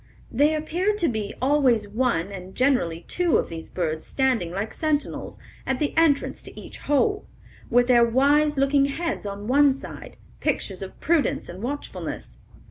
There appeared to be always one, and generally two, of these birds, standing like sentinels, at the entrance to each hole, with their wise looking heads on one side, pictures of prudence and watchfulness.